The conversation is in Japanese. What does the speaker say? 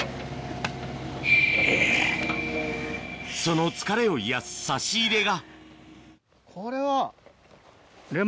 その疲れを癒やす差し入れがこれは。